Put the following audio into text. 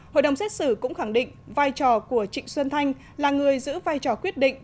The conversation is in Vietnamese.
hội đồng xét xử cũng khẳng định vai trò của trịnh xuân thanh là người giữ vai trò quyết định